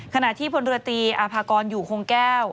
ขณะที่พลเรือตีอาภากรอยู่คงแก้ว